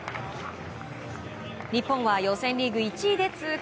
日本は予選リーグ１位で通過。